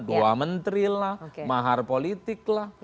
doa mentri lah mahar politik lah